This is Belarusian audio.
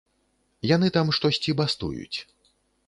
Яны там штосьці бастуюць.